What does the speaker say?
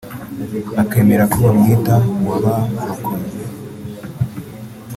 akemera ko bamwita uwabarokoye